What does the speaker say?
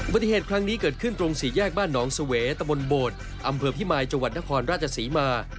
ปฏิเหตุครั้งนี้เกิดขึ้นตรงสี่แยกบ้านหนองเสวตะบนโบดอำเภอพิมายจังหวัดนครราชศรีมา